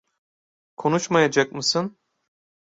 Konuşmayacak mısın?